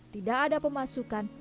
tidak ada pemasukan